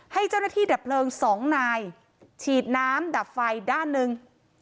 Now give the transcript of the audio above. ให้เจ้าหน้าที่ดับเพลิงสองนายฉีดน้ำดับไฟด้านหนึ่ง